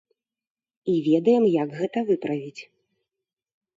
І ведаем, як гэта выправіць.